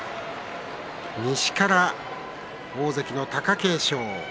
西から大関の貴景勝。